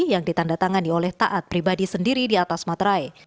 yang ditanda tangani oleh taat pribadi sendiri di atas materai